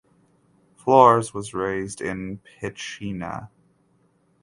Flores was raised in Pichincha.